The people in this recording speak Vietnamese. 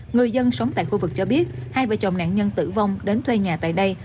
người dân sống tại khu vực cho biết hai vợ chồng nạn nhân tử vong đến thuê nhà tại đây